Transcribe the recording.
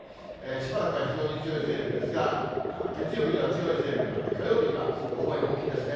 しばらくは非常に強い勢力ですが、月曜日には強い勢力になって、火曜日には、予報円、大きいですね。